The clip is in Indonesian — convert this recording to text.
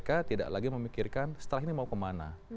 kpk tidak lagi memikirkan setelah ini mau kemana